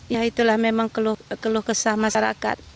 ya itulah memang keluh keluh kesama masyarakat